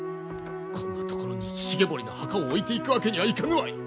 こんな所に重盛の墓を置いていくわけにはいかぬわい！